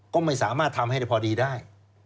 ก็ไม่สามารถทำให้พอดีได้